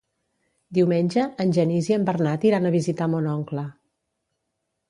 Diumenge en Genís i en Bernat iran a visitar mon oncle.